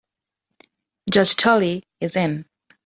Judge Tully is in.